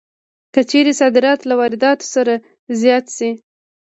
که چېرې صادرات له وارداتو څخه زیات شي